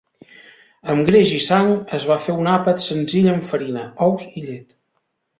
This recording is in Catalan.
Amb greix i sang, es va fer un àpat senzill amb farina, ous i llet.